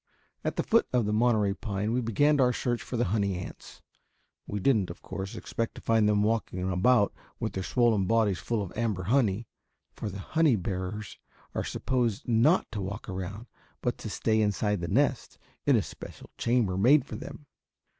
At the foot of the Monterey pine we began our search for the honey ants. We didn't, of course, expect to find them walking about with their swollen bodies full of amber honey, for the honey bearers are supposed not to walk around, but to stay inside the nest, in a special chamber made for them.